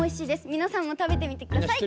みなさんも食べてみてください。